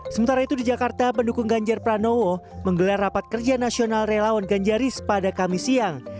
sementara itu di jakarta pendukung ganjar pranowo menggelar rapat kerja nasional relawan ganjaris pada kamis siang